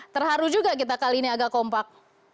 terharu juga kita kali ini agak kompak